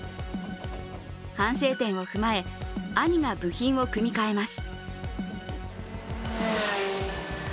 反省点を踏まえ、兄が部品を組み替えます。